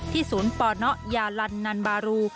ที่ศูนย์ป่อน๊ะยาลันนันบารู